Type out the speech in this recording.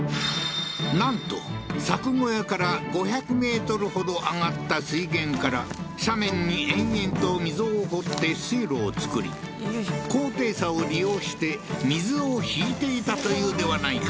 なんと作小屋から５００メートルほど上がった水源から斜面に延々と溝を掘って水路を造り高低差を利用して水を引いていたというではないか